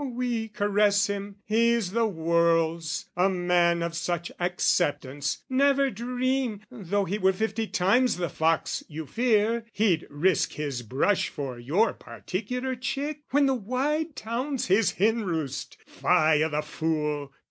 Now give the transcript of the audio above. We caress him, he's the world's, "A man of such acceptance, never dream, "Though he were fifty times the fox you fear, "He'd risk his brush for your particular chick, "When the wide town's his hen roost! Fie o' the fool!"